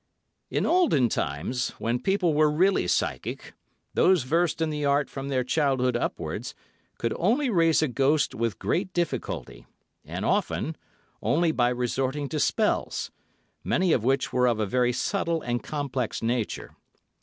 In olden times, when people were really psychic, those versed in the art from their childhood upwards could only raise a ghost with great difficulty, and often, only by resorting to spells, many of which were of a very subtle and complex nature.